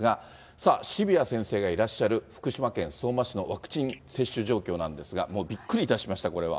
さあ、渋谷先生がいらっしゃる福島県相馬市のワクチン接種状況なんですが、もうびっくりいたしました、これは。